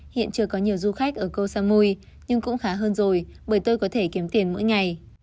hiện chưa có nhiều du khách ở câu samui nhưng cũng khá hơn rồi bởi tôi có thể kiếm tiền mỗi ngày